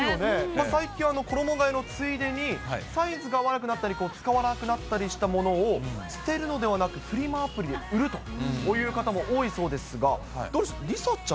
最近、衣がえのついでに、サイズが合わなくなったり、使わなくなったりしたものを、捨てるのではなく、フリマアプリで売るという方も多いそうですが、どうでしょう？